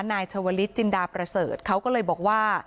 นายชวลิศจินดาประเสริฐเขาก็เลยบอกว่า